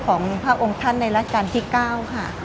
ของพระองค์ท่านในราชการที่๙ค่ะ